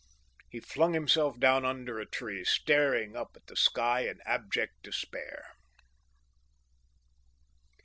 He flung himself down under a tree, staring up at the sky in abject despair.